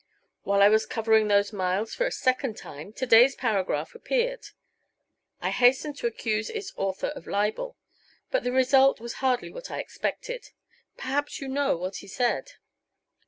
While I was covering those miles for the second time, to day's paragraph appeared. I hastened to accuse its author of libel, but the result was hardly what I expected. Perhaps you know what he said."